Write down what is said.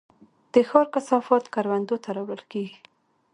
د ښار کثافات کروندو ته راوړل کیږي؟